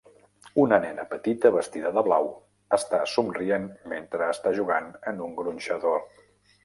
Una nena petita vestida de blau està somrient mentre està jugant en un gronxador.